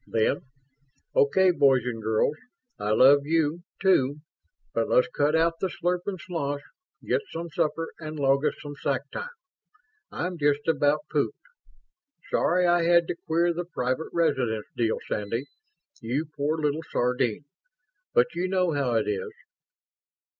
Then, "Okay, boys and girls, I love you, too, but let's cut out the slurp and sloosh, get some supper and log us some sack time. I'm just about pooped. Sorry I had to queer the private residence deal, Sandy, you poor little sardine. But you know how it is."